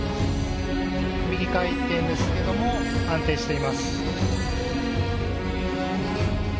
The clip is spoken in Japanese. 右回転ですけれども安定しています。